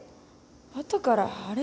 あとからあれ？